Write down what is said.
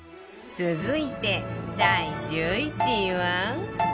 続いて第１１位は